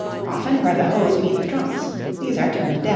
Often, where the hose meet the trunks, these are turned down.